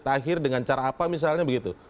akhir dengan cara apa misalnya begitu